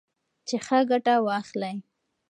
چې ښه ګټه واخلئ.